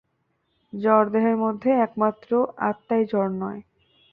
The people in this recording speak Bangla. জড় দেহের মধ্যে একমাত্র আত্মাই জড় নয়।